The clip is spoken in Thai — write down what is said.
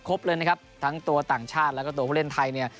เลยนะครับทั้งตัวต่างชาติแล้วก็ตัวผู้เล่นไทยเนี่ย